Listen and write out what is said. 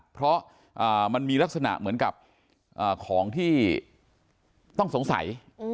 เพราะมันมีลักษณะเหมือนกับของที่ต้องสงสัย